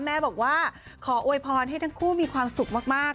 แม่บอกว่าขอโวยพรให้ทั้งคู่มีความสุขมาก